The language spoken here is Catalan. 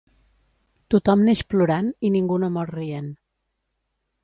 Tothom neix plorant i ningú no mor rient.